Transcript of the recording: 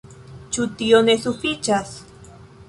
Ĉu tio ne sufiĉas?